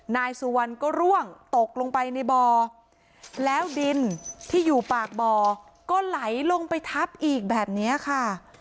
นายสุวรรณก็ร่วงตกลงไปในบ่อแล้วดินที่อยู่ปากบ่อก็ไหลลงไปทับอีกแบบเนี้ยค่ะ